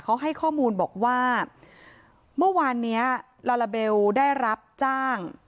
เขาให้ข้อมูลบอกว่าเมื่อวานนี้ลาลาเบลได้รับจ้าง